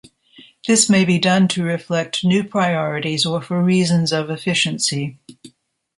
This may be done to reflect new priorities or for reasons of efficiency.